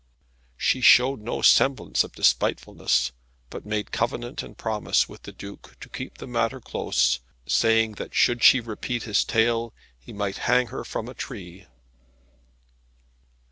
She showed no semblance of despitefulness, but made covenant and promise with the Duke to keep the matter close, saying that should she repeat his tale he might hang her from a tree.